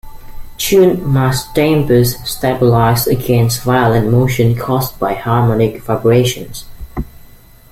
Tuned mass dampers stabilize against violent motion caused by harmonic vibration.